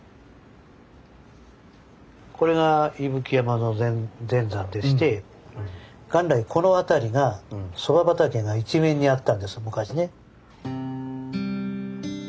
これが伊吹山の全山でして元来この辺りがそば畑が一面にあったんです昔ね。